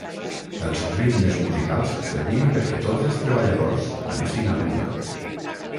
Els ritmes musicals servien perquè tots els treballadors anessin a l'una